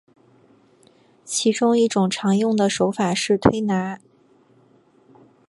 其中一种常用的手法是推拿。